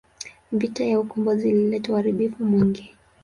Vita ya ukombozi ilileta uharibifu mwingi.